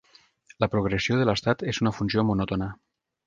La progressió de l'estat és una funció monòtona.